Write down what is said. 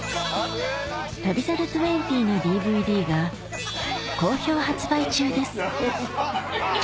『旅猿２０』のＤＶＤが好評発売中です